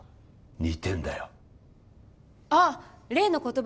似てるんだよあっ例の言葉